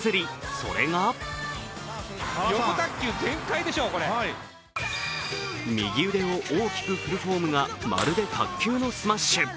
それが右腕を大きく振るフォームがまるで卓球のスマッシュ。